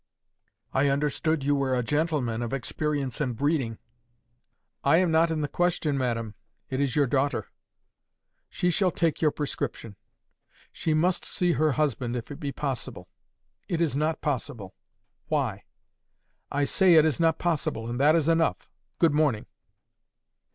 "'I understood you were a GENTLEMAN—of experience and breeding.' "'I am not in the question, madam. It is your daughter.' "'She shall take your prescription.' "'She must see her husband if it be possible.' "'It is not possible.' "'Why?' "'I say it is not possible, and that is enough. Good morning.